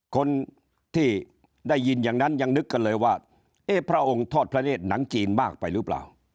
คนที่ได้ยินอย่างนั้นยังนึกกันเลยว่าเอ๊ะพระองค์ทอดพระเนธหนังจีนมากไปหรือเปล่า